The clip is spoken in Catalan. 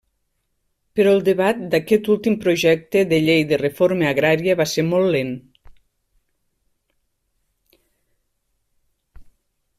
Però el debat d'aquest últim projecte de Llei de Reforma Agrària va ser molt lent.